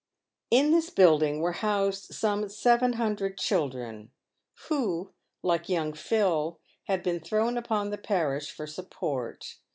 In this building were housed some seven hundred children, who, like young Phil, had been thrown upon the parish for support.